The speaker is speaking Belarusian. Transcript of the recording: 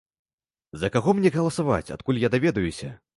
За каго мне галасаваць, адкуль я даведаюся?